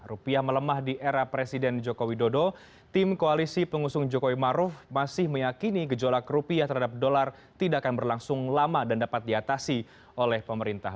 rupiah melemah di era presiden joko widodo tim koalisi pengusung jokowi maruf masih meyakini gejolak rupiah terhadap dolar tidak akan berlangsung lama dan dapat diatasi oleh pemerintah